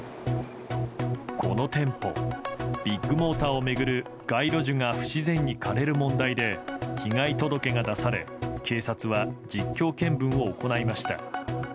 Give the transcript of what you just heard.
この店舗、ビッグモーターを巡る街路樹が不自然に枯れる問題で被害届が出され、警察は実況見分を行いました。